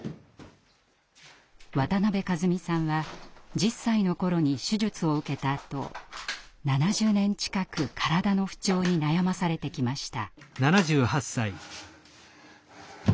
渡邊數美さんは１０歳の頃に手術を受けたあと７０年近く体の不調に悩まされてきました。